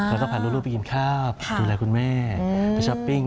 แล้วก็พาลูกไปกินข้าวดูแลคุณแม่ไปช้อปปิ้ง